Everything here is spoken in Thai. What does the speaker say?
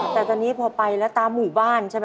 แต่ตอนนี้พอไปแล้วตามหมู่บ้านใช่ไหม